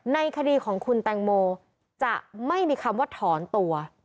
ในคดีของคุณแตงโมจะไม่มีคำว่าถอนตัว